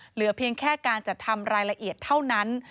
เหลือเพียงแค่การจัดทำรายละเอียดเท่านั้น